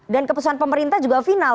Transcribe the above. dan keputusan pemerintah juga final